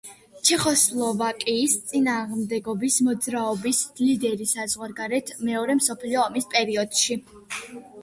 ჩეხოსლოვაკიის წინააღმდეგობის მოძრაობის ლიდერი საზღვარგარეთ მეორე მსოფლიო ომის პერიოდში.